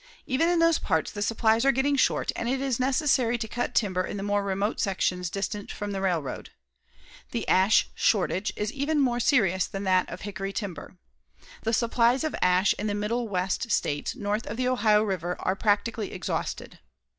Even in those parts the supplies are getting short and it is necessary to cut timber in the more remote sections distant from the railroad. The ash shortage is even more serious than that of hickory timber. The supplies of ash in the Middle West States north of the Ohio River are practically exhausted.